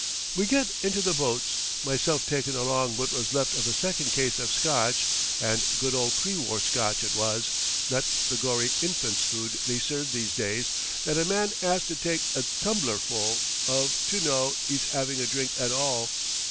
"We get into the boats, myself takin' along what was left of a second case of Scotch, and good old pre war Scotch it was, not the gory infant's food they serve these days that a man 'as to take a tumblerful of to know 'e's 'aving a drink at all.